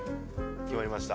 決まりました。